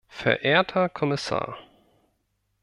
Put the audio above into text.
Verehrter Kommissar!